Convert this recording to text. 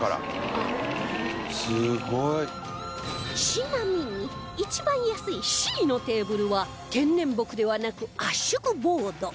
ちなみに一番安い Ｃ のテーブルは天然木ではなく圧縮ボード